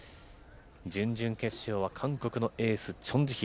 準々決勝は韓国のエース、チョン・ジヒ。